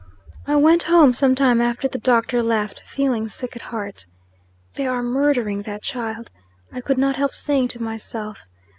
I went home, some time after the doctor left, feeling sick at heart. "They are murdering that child," I could not help saying to myself.